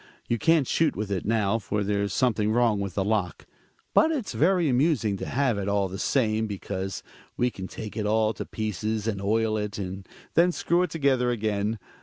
You can't shoot with it now, for there's something wrong with the lock. But it's very amusing to have it, all the same, because we can take it all to pieces, and oil it, and then screw it together again.